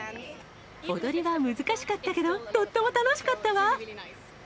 踊りは難しかったけど、とっても楽しかったわ。